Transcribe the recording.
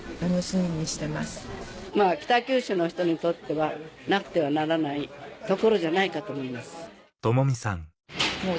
まぁ北九州の人にとってはなくてはならない所じゃないかと思います。